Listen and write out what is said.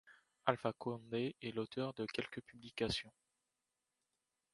Alpha Condé est l’auteur de quelques publications.